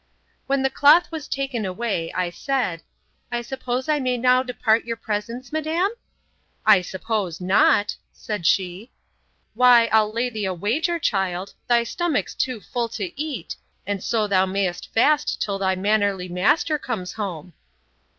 When the cloth was taken away, I said, I suppose I may now depart your presence, madam? I suppose not, said she. Why, I'll lay thee a wager, child, thy stomach's too full to eat, and so thou may'st fast till thy mannerly master comes home.